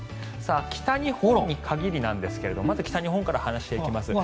北日本に限りなんですがまず北日本から話していきます。